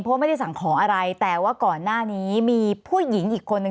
เพราะไม่ได้สั่งของอะไรแต่ว่าก่อนหน้านี้มีผู้หญิงอีกคนนึง